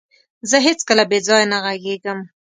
زه هيڅکله بيځايه نه غږيږم.